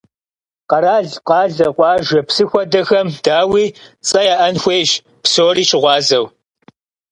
Къэрал, къалэ, къуажэ, псы хуэдэхэм, дауи, цӀэ яӀэн хуейщ псори щыгъуазэу.